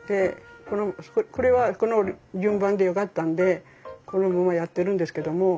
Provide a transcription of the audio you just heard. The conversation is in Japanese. これはこの順番でよかったんでこのままやってるんですけども。